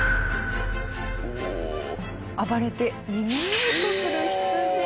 暴れて逃げようとするヒツジ。